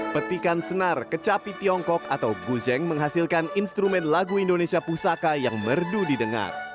petikan senar kecapi tiongkok atau buzzeng menghasilkan instrumen lagu indonesia pusaka yang merdu didengar